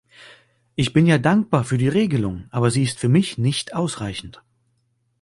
Ich bin ja dankbar für die Regelung, aber sie ist für mich nicht ausreichend.